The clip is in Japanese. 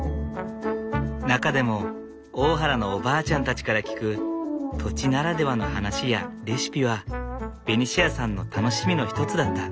中でも大原のおばあちゃんたちから聞く土地ならではの話やレシピはベニシアさんの楽しみの一つだった。